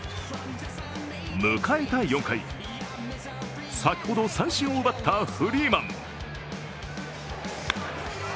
迎えた４回先ほど三振を奪ったフリーマン。